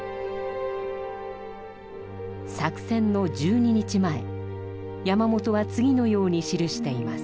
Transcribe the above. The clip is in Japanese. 作戦の１２日前山本は次のように記しています。